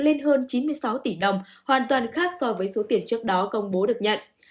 lên hơn chín mươi sáu tỷ đồng hoàn toàn khác so với số tiền trước đó công bố được nhận